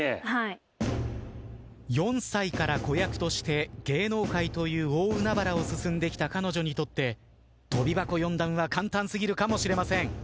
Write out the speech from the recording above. ４歳から子役として芸能界という大海原を進んできた彼女にとって跳び箱４段は簡単すぎるかもしれません。